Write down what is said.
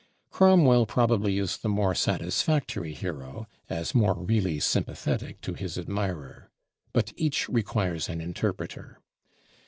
Cromwell probably is the more satisfactory hero, as more really sympathetic to his admirer. But each requires an interpreter.